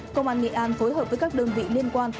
công an nghệ an phối hợp với các đơn vị liên quan